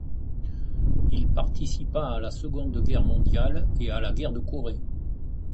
Il participa à la Seconde Guerre mondiale et à la Guerre de Corée.